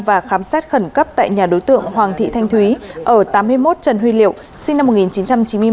và khám xét khẩn cấp tại nhà đối tượng hoàng thị thanh thúy ở tám mươi một trần huy liệu sinh năm một nghìn chín trăm chín mươi một